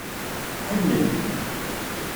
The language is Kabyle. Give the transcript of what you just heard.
Ḥellel.